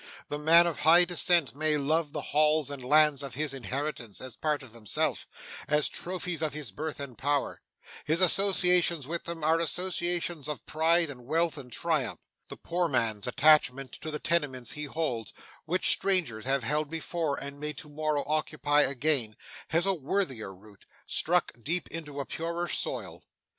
The man of high descent may love the halls and lands of his inheritance as part of himself: as trophies of his birth and power; his associations with them are associations of pride and wealth and triumph; the poor man's attachment to the tenements he holds, which strangers have held before, and may to morrow occupy again, has a worthier root, struck deep into a purer soil.